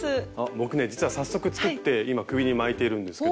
僕ね実は早速作って今首に巻いているんですけど。